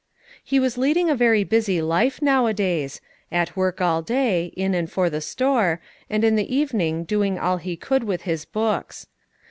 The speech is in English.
He was leading a very busy life now a days; at work all day, in and for the store, and in the evening doing all he could with his books.